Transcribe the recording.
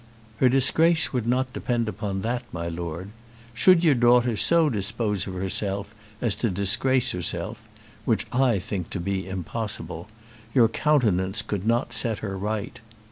"Her disgrace would not depend upon that, my Lord. Should your daughter so dispose of herself, as to disgrace herself, which I think to be impossible, your countenance could not set her right.